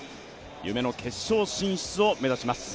夢の決勝進出を目指します。